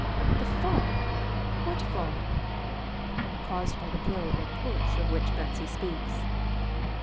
"The fall! What fall?" "Caused by the blow or push of which Betsy speaks."